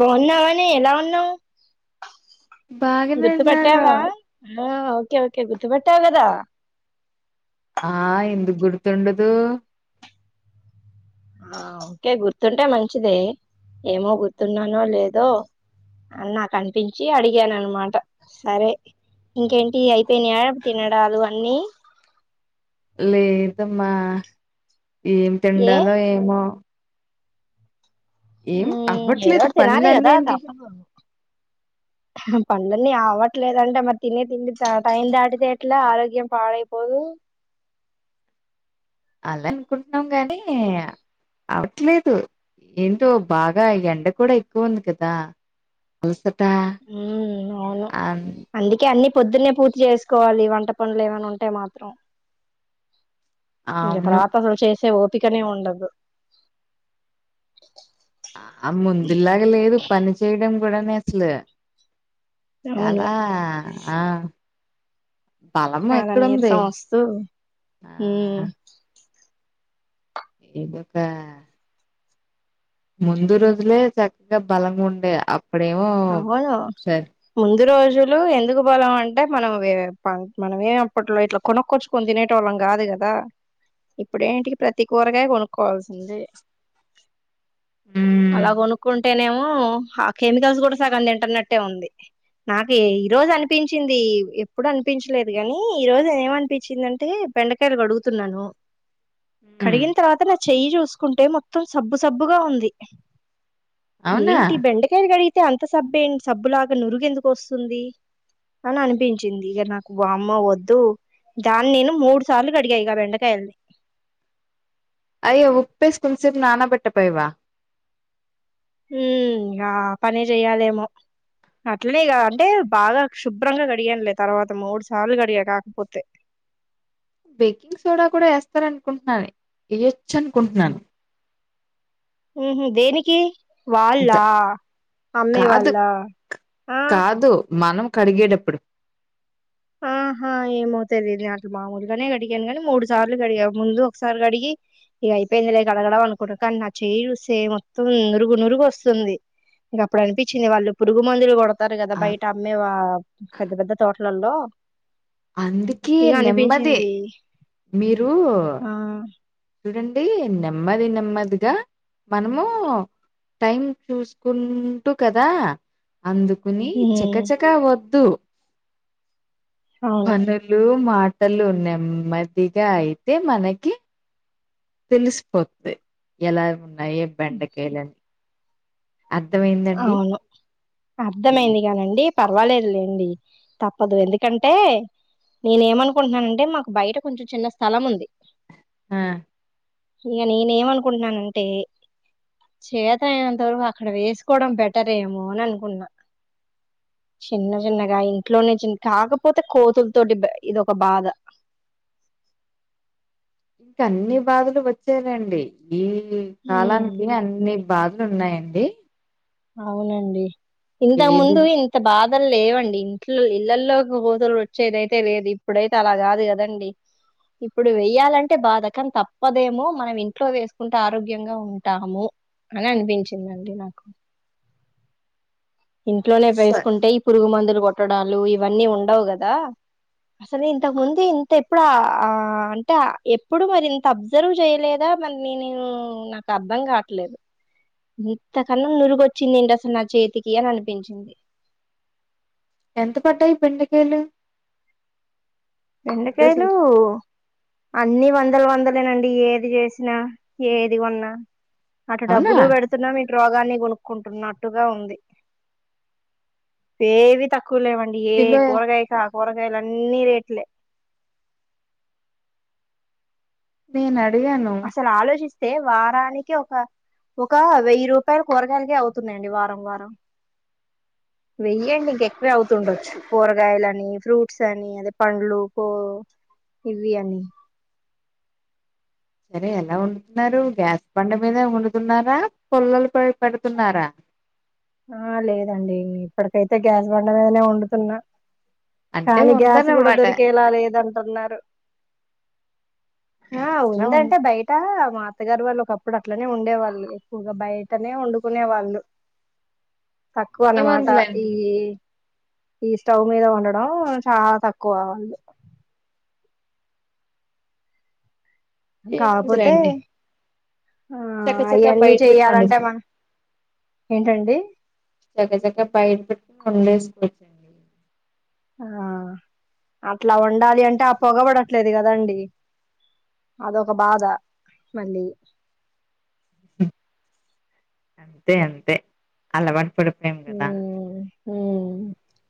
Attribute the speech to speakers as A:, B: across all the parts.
A: బాగున్నా వనే ఎలా ఉన్నావు
B: బాగానే ఉన్నాను
A: గుర్తుపట్టావా ఆ ఓకే ఓకే గుర్తుపట్టావుగదా
B: ఆ ఎందుకు గుర్తుండదు
A: ఆ ఓకే గుర్తుంటే మంచిది ఏమో గుర్తున్నానో లేదో అని నాకు అనిపించి అడిగాను అనమాట సరే ఇంకేంటి అయి అయిపోయిన తినడాలు అన్ని
B: లేదమ్మా ఏం
A: ఏ
B: తిండాలో ఏమో ఏం
A: మ్మ్
B: అవ్వట్లేదు
A: ఏదోటి తినాలి
B: పనులన్నీఏంటి
A: పన్లన్ని అవట్లేదంటే మరి తినే తిండి టైం దాటితే ఎట్లా ఆరోగ్యం పాడైపోదు
B: అలా అనుకుంటున్నాం గానీ అవట్లేదు ఏంటో బాగా ఎండ కూడా ఎక్కువ ఉంది కదా అ [unintelligible]
A: ఉం అవును అందుకే అన్ని పొద్దున్న పూర్తి చేసుకోవాలి వంట పనులు ఏమైనా ఉంటే మాత్రం ఇంగ
B: అవును
A: తర్వాత అసలు చేసే ఓపికనే ఉండదు
B: ఆ ముందులాగ లేదు పని చేయడం కూడానే అసలు
A: అవును
B: చాలా ఆ బలం
A: చాలా
B: ఎక్కడుంది
A: నీరసం వస్తూ
B: ఆ
A: హు
B: ఇదొక ముందు రోజులే చక్కగా బలంగా ఉండే అప్పుడేమో
A: అవును
B: సర
A: ముందు రోజులు ఎందుకు బలం అంటే మనం మనమ ఏ అప్పట్లో ఇట్లా కొనక్కొర్చుకని తినేటోల్లం గాదు కదా ఇప్పుడేంటికి ప్రతికూరగాయ కొనుక్కోవాల్సిందే
B: మ్మ్
A: అలా కొనుక్కుంటేనేమో ఆ కెమికల్స్ కూడా సగం తింటున్నట్టే ఉంది నాకు ఈ రోజు అనిపించింది ఎప్పుడు అనిపించలేదు కాని ఈ రోజు ఏమనిపించిందంటే బెండకాయలు కడుగుతున్నాను
B: మ్మ్
A: కడిగిన తర్వాత నా చెయ్యి చూసుకుంటే మొత్తం సబ్బు సబ్బుగా ఉంది
B: అవునా
A: ఏంటి బెండకాయలు కడిగితే అంత సబ్బేంటి సబ్బులాగా నురుగెందుకు వస్తుంది అని అనిపించింది ఇక నాకు వామ్మో వద్దు దాన్ని నేను మూడు సార్లు కడిగా ఇగ బెండకాయల్ని
B: అయ్యో ఉప్పేసి కొంచెం సేపు నానబెట్టపోయావా
A: హుమ్ ఇగ ఆ పనే చెయ్యాలేమో అట్లనే ఇగ అంటే బాగా శుభ్రంగా కడిగానులే తర్వాత మూడు సార్లు కడిగా కాకపోతే
B: బేకింగ్ సోడా కూడా వేస్తారు అనుకుంటున్నాను వేయొచ్చు అనుకుంటున్నాను
A: ఉహూ దేనికి వాళ్ళా
B: ద కాదు
A: అమ్మేవాళ్ళా ఆ
B: కాదు మనం కడిగేటప్పుడు
A: ఆహా ఏమవుతాది లే మామూలుగానే కడిగాను గాని మూడు సార్లు కడిగా ముందు ఒకసారి కడిగి ఇగ అయిపోయిందిలే కడగడం అనుకున్నా కానీ నా చేయి చూస్తే మొత్తం నురుగు నురుగు వస్తుంది ఇంగ అప్పుడు అనిపిచింది వాళ్ళు పురుగు మందులు కొడ తారు కదా
B: అ
A: బయట అమ్మే పెద్ద పెద్ద తోటలల్లో
B: అందుకే
A: ఇగ
B: నెమ్మది
A: అనిపించింది
B: మీరు
A: ఆ
B: చూడండి నెమ్మది నెమ్మదిగా మనము టైం చూసుకుంటూ కదా అందుకుని
A: ఉమ్
B: చకచకా వద్దు
A: అవును
B: పనులు మాటలు నెమ్మదిగా అయితే మనకి తెలిసిపోద్ది ఎలా ఉన్నాయి బెండకాయలని అర్థమయిందండీ
A: అర్థమయింది గానండి పర్వాలేదు లేండి తప్పదు ఎందుకంటే నేనే ఏమనుకుంటున్నానంటే మాకు బయట కొంచెం చిన్న స్థలం ఉంది
B: ఆ
A: ఇక నేనేమనుకుంటున్నానంటే చేతనయినంతవరకు అక్కడ వేసుకు కోవడం బెటర్ ఏమో అని అనుకుంటున్నా చిన్న చిన్నగా ఇంట్లోనే చి కాకపోతే కోతుల తోటి ఇదిొక బాధ
B: [inaudible] ఇంకా అన్ని బాధలు వచ్చేనండి ఈ
A: ఉమ్
B: కాలానికి అన్ని బాధలు ఉన్నాయండి
A: అవునండి ఇంతకు
B: ఏది
A: ముందు ఇంత బాగా అసలు లేవండి ఇంట్లో ఇళ్లల్లోకి కోతులు వచ్చేదయితే లేదు ఇప్పుడైతే అలా కాదు కదండి ఇప్పుడు వెయ్యాలంటే బాధ కాని తప్పదేమో మనం ఇంట్లో వేసుకుంటే ఆరోగ్యంగా ఉంటాము అని అనిపించిందండి నాకు ఇంట్లోనే వేసుకుంటే ఈ పురుగు మందులు కొట్టడాలు ఇవన్నీ ఉండవు కదా అసలు ఇంతకు ముందు ఇంత ఎప్పుడు ఆ అంటే ఎప్పుడు మరి ఇంత అబ్జర్వ్ చేయలేదా చాలామంది న నేను నాకు అర్ధం కాట్లేదు ఇంతకన్నా నురుగొచ్చింది ఏంటి అసలు నా చేతికి అని అనిపించింది
B: ఎంత పడ్డాయి బెండకాయలు కిలో తీ
A: బెంకాయలు ఆ అన్ని వందలు వందలేనండి ఏది చేసినా ఏది కొన్నా అటు
B: అవునా
A: డబ్బులూ పెడుతున్నాం ఇ టు రోగాన్నీ కొనుక్కుంటున్నట్టుగా ఉంది ఏవీ తక్కువ ఎక్కువలేవండి ఏ
B: కిలో
A: కూరగాయకా కూరగాయలు అన్నీ రేట్లే
B: నేనా
A: అసలు ఆలోచిస్తే వారానికి ఒక ఒక వెయ్యి రూపాయలు కూరగాయలకే అవుతున్నాయండి వారం వారం
B: [inaudible]
A: వెయ్యేంటి ఇంక ఎక్కువే అవుతుండొచ్చు కూరగాయలని ఫ్రూట్స్ అని అదే పండ్లు కో బిర్యానీ
B: సరే ఎలా వండుతున్నారు గ్యాస్ బండ మీద వండుతున్నారా పుల్లలపై పెడుతున్నారా
A: ఆ లేదండి ఇప్పటికైతే గ్యాస్ బండ మీద వండుతున్నా
B: అంటే
A: కానీ గ్యాస్ కూడా
B: ఉందన్నమాట
A: దొరికేలా లేదంత ఉన్నారు ఆ
B: ఎక్స్ట్రా ఉం
A: ఉందంటే బయట మా అత్తగారు వాళ్ళు ఒకప్పుడు అట్లనే ఉండే వాళ్ళు ఎక్కువగా బయటనే వండుకునే వాళ్ళు తక్కువ అన్నమాట
B: ఏముందిలేండి.
A: ఈ ఈ స్టవ్ మీద వండడం చాలా తక్కువ వాళ్ళు కాపోతే
B: ఏముందిలేండి చకచకా
A: అయ్యన్నీ
B: బయట పెట్టుకుని
A: చెయ్యాలంటే
B: వండేసు
A: మనం ఏంటండి
B: చక్క చక్క బయట పెట్టి వండేసుకోవచ్చండి
A: ఆ అట్లా ఉండాలి అంటే ఆ పొగబడట్లేదు కదండి అదొక బాధ మళ్ళీ
B: అంతే అంతే అలవాటు పడు
A: ఉ ఉ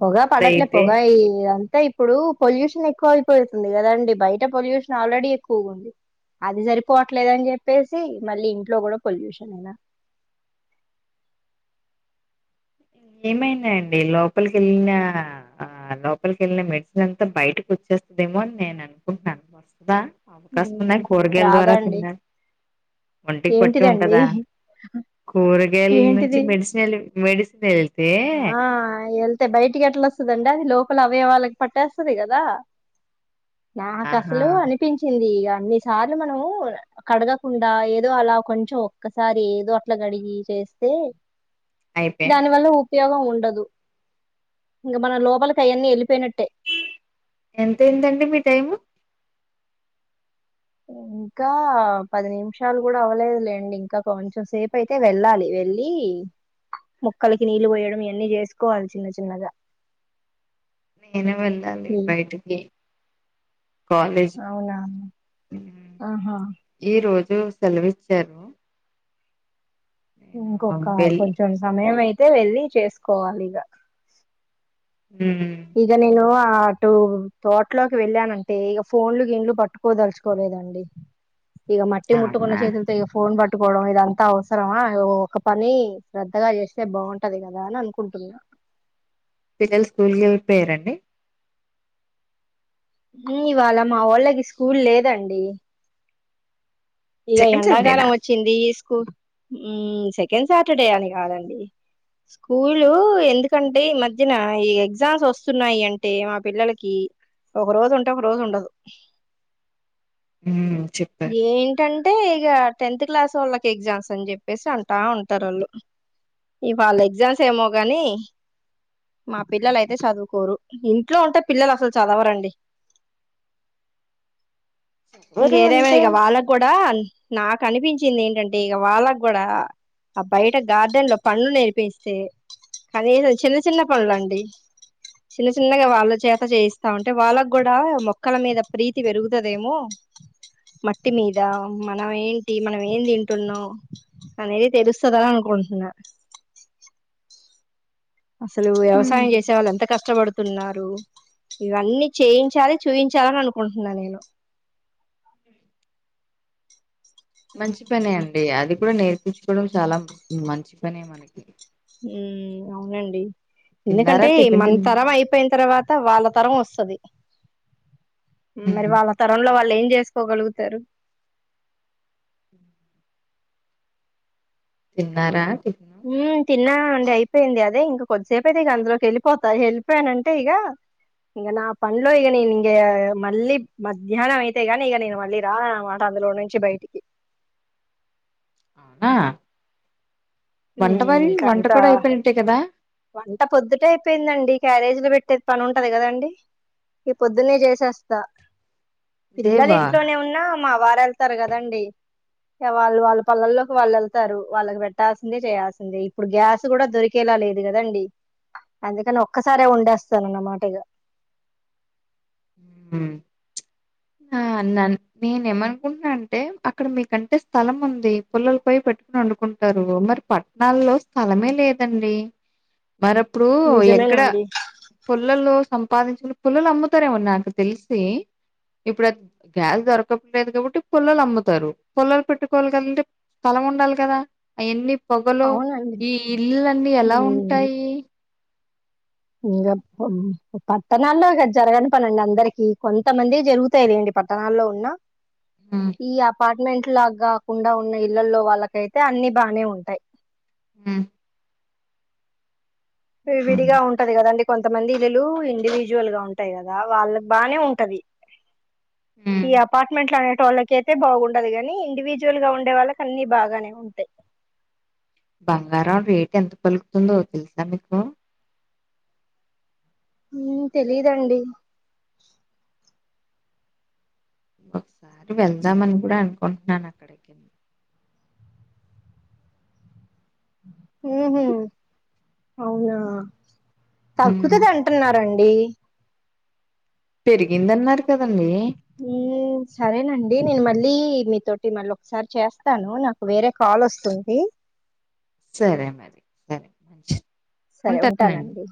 A: పొగా పడట్లే
B: అదైతే
A: పొగా ఈ అయితే ఇప్పుడు పొల్యూషన్ ఎక్కువ అయిపోతుంది కదండి బయట పొల్యూషన్ ఆల్రెడీ ఎక్కువ ఉంది అది సరిపోవట్లేదని చెప్పేసి మళ్ళీ ఇంట్లో గూడా పొల్యూషనేనా
B: ఏమైందండి లోపలికెళ్ళినా ఆ లోపలికెళ్ళిన మెడిసిన్ అంతా బయటికొచ్చి తెస్తదేమో అని నేను అనుకుంట్నాను వస్తదా, అవకాశం ఉందా కూరగాయల్ ద్వారా
A: రాదండి
B: తిండా. ఒంటికి పట్టి
A: ఏంటిదండి
B: ఉంటదా కూర గాయల్ నుంచి
A: ఏంటిది
B: మెడిసినే లేదు మెడిసినేల్
A: ఆ ఎల్ తె బయటికి ఎట్లా ఒస్తదండి అది లోపల అవయవాళ్ళకి పట్టేస్తది గదా నాకు
B: ఆహా
A: అసలు అనిపించింది యా అన్ని సార్లు మనం కడగకుండా ఏదో అలా కొంచెం ఒక్కసారి ఏదో అట్ల గడిగి చే ఎస్తే
B: అయిపోయామ
A: దాని వల్ల ఉపయోగం ఉండదు ఇంగ మన లోపలికి అయన్నీ ఎళ్ళిపోయిన
B: ఎంతైందండి మీ టైము
A: ఇంకా పది నిమిషాలు గూడా అవ్వలేదులేండి, ఇంకా కొంచెం సేపైతే వెళ్ళాలి వెళ్ళీ. మొక్కలకి నీళ్ళు వోయడం ఇయన్నీ చేసుకోవాలి చిన్న చిన్నగా
B: నేను వెళ్లాలి బయటికి కాలేజ్
A: అవునా
B: ఊ
A: ఆహా
B: ఈ రోజు [unintelligible] సెలవిచ్చారు నేను
A: ఇంకొక
B: వెళ్
A: కొంచెం సమయం అయితే వెళ్ళి చేసుకోవాలి ఇగ
B: మ్మ్
A: ఇగ నేనూ ఆ ఆటు తోట్లోకి వెళ్ళానంటే ఇగ ఫోన్లు గీన్లు పట్టుకోదలుచుకోలేదండి ఇగ మట్టి ముట్టుకున్న
B: అవునా
A: చేతుల్తో ఇగ ఫోన్ బట్ ట్టుకోవడం ఇదంతా అవసరమా, ఓ ఒక పని శ్రద్ధగా చేస్తే బాగుంటది గదా అని అనుకుంటున్నా.
B: పిల్లలు స్కూల్కి ఎళ్లిపోయారా అండి
A: హ్మ్ ఇవాళ మా వాళ్ళకి స్కూల్ లేదండి ఇగ
B: సెకండ్
A: ఎండాకాలం
B: సండేనా
A: వచ్చింది కు ఊమ్ సెకండ్ సాటర్డే అని గాదండి స్కూలూ ఎందుకంటే ఈ మధ్యన ఈ ఎగ్జామ్స్ ఒస్తున్నాయి అంటే మా పిల్లలకి ఒక రోజు ఉంటే ఒక రోజు ఉండదు
B: ఊ చెప్పారు
A: ఇగ టెన్త్ క్లాస్ ఓళ్ళకి ఎగ్జామ్స్ అని చెప్పేసి అంటా ఉంటారు ఆళ్ళు ఇవాళ్ళ ఎగ్జామ్స్ ఏమో గానీ మా పిల్లలు అయితే చదువుకోరు ఇంట్లో ఉంటే పిల్లలు అసలు చదవరండి
B: ఎవరు
A: ఇంగే దేవ
B: అంటే
A: ఇగ వాళ్ళ ఆన్ నాకు అనిపించింది ఏంటంటే ఇగ వాళ్ళగ్ గూడా అ బయట గార్డెన్ లో పంలు నేర్పిస్తే కనీసం చిన్న చిన్న పనులండి చిన్న చిన్నగా వాళ్ళ చేత చేయిస్తా ఉంటే, వాళ్ళ గూడా మొక్కల మీద ప్రీతి వెరుగుతుదేమో. మట్టి మీదా మనం ఏంటి మనం ఏం దింటున్నాం అనేది తెలుస్తదా అనుకుంటున్నా అసలూ
B: మ్మ్
A: వ్యవసయం చేసే వాళ్ళ ఎంత కష్టబడు తున్నారు ఇవన్నీ చేయించాలి చూయించాలని అనుకుంటున్నా నేను
B: ఉ మంచి పనే అండి అది కూడా నేర్పిచ్చుకోవడం చాలా మంచి పనే మనకి
A: ఊ అవునండి
B: తిన్నారా
A: ఎందుకంటే
B: టిఫిన్
A: మన
B: తిన్
A: తరం అయిపోయిన తర్వాత వాళ్ళ తరం ఒస్తది హ్మ్ మరి
B: మ్మ్
A: వాళ్ళ తరంలో వాళ్ళు ఏం చేసుకోగలుగుతారు.
B: తిన్నారా అండి.
A: ఉమ్ తిన్నా అండి అయిపోయింది అదే ఇంక కొద్దిసేపయితే ఇక అందులోకి వెళ్ళిపోతా వెళ్ళిపోయానంటే ఇగ ఇంగ నా పన్లో ఇగ నేనింగ మళ్ళీ మధ్యాహ్నం అయితే గానీ ఇగ నేను మళ్ళీ రాననమాట అందులో నుంచి బైటికి
B: ఆ
A: ఇంకంత
B: కదా
A: వంట పొద్దుటే అయిపోయిందండి. క్యారేజ్లు పెట్టే పనుంటది కదండి. ఇగ పొద్దున్నే చేసేస్తా
B: దేవా
A: పిల్లలింట్లోనే ఉన్నా మా వార్ రెళ్తారు కదండి ఇక వాళ్ళు వాళ్ళ పల్లల్లోకి వాళ్ళేళ్తారు వాళ్ళకి పెట్టా ల్సిందే చేయాల్సిందే ఇప్పుడు గ్యాస్ కూడా దొరికేలా లేదు కదండి. అందుకని ఒక్కసారే వొండేస్తానన్నమాటిగా
B: మ్. ఆ అన్నాన్ నేనేమమనుకుంటున్నా అంటే అక్కడ మీకంటే స్థలం ఉంది పుల్లల పోయి పెట్టు కొనొండుకుంటారు మరి పట్ణాల్లో స్థలమే లేదండి. మరప్పుడు ఎక్కడ
A: నిజమేనండి
B: పుల్లలు సంపాదించుకుండు పుల్లలమ్ముతారేమన్నా నాకు తెలిసి ఇప్పుడద్ గ్యాస్ దొరకట్లేదు కాబట్టి పుల్లలమ్ముతారు పుల్లలు పెట్టుకోవాలి కంటే స్థలం ఉండాలి కదా అయన్ని పొగలు
A: అవునండి
B: ఈ ఇల్లన్నీ ఎలా ఉంటాయి.
A: ఇంగ ప పట్టనాల్లో జరగని పనండి అందరికి కొంతమందివి జరుగుతాయిలేండి. పట్టణాల్లో ఉన్నా
B: హ్మ్.
A: ఈ అపార్ట్ మెంట్లా గాకుండా ఉన్న ఇళ్లల్లో వాళ్ళకైతే అన్ని బానే ఉంటాయ్.
B: మ్ హ్మ్.
A: విడివిడిగా ఉంటది కదండి. కొంతమంది ఇల్లులు ఇండివిజ్వల్గా ఉంటాయి కదా వాళ్ళక్ బానే ఉంటది.
B: హ్మ్.
A: ఈ అపార్ట్మెంట్లా టోళ్ళకయితే బాగుండదు గాని ఇండివిజువల్గా ఉండే వాళ్ళకి అన్ని బాగానే ఉంటాయి.
B: బంగారం రేటెంత పలుకుతుందో తెలుసా మీకు
A: మ్ తెలీదండి.
B: ఇంకోకసారి వెళ్దామని కూడా అనుకుంటున్నాను అక్కడికి
A: ఏమి. అవునా.
B: హ్మ్.
A: తగ్గుతది అంటున్నారం డి.
B: పెరిగిందన్నారు కదండి
A: ఇంగేమ్. సరేనండి. నేను మళ్ళీ మీతోటి మళ్ళోకసారి చేస్తాను. నాకు వేరే కాల్ వస్తుంది.
B: సరే మరి సరే మంచిది.
A: సరే ఉంటానండి.